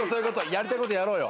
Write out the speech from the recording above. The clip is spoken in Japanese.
やりたいことやろうよ。